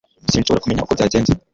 Sinshobora kumenya uko byagenze